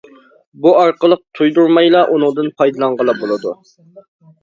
بۇ ئارقىلىق تۇيدۇرمايلا ئۇنىڭدىن پايدىلانغىلى بولىدۇ.